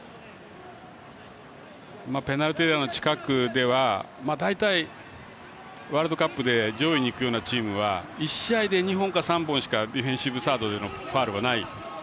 ペナルティーエリアの近くでは大体、ワールドカップで上位にいくようなチームは１試合で２本か３本ぐらいでディフェンシブエリアでのファウルはない。